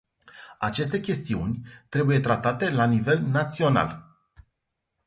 Aceste chestiuni trebuie tratate la nivel național.